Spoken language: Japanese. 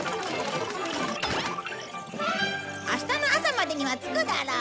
明日の朝までには着くだろう。